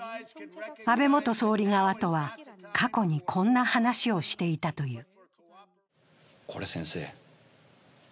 安倍元総理側とは過去にこんな話をしていたという。